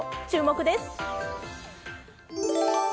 注目です。